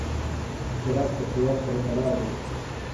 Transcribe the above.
سرعت د قوت سره تړاو لري.